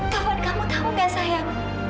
taufan kamu tau gak sayang